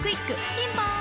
ピンポーン